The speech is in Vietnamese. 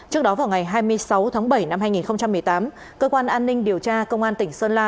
trước đó vào ngày hai mươi sáu tháng bảy năm hai nghìn một mươi tám cơ quan an ninh điều tra công an tỉnh sơn la